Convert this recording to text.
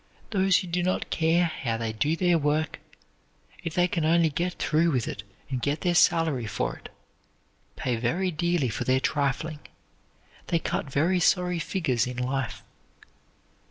Those who do not care how they do their work, if they can only get through with it and get their salary for it, pay very dearly for their trifling; they cut very sorry figures in life.